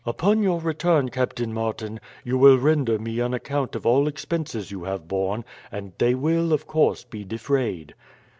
"Upon your return, Captain Martin, you will render me an account of all expenses you have borne, and they will, of course, be defrayed."